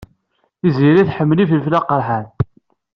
Tiziri tḥemmel ifelfel aqerḥan.